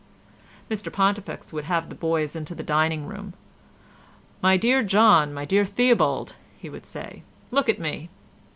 Mr Pontifex would have the boys into the dining room. "My dear John, my dear Theobald," he would say, "look at me.